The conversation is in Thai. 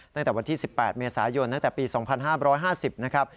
ตั้งแต่วันที่๑๘เมษายนตั้งแต่ปี๒๕๕๐นะครับ